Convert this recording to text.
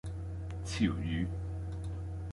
潮語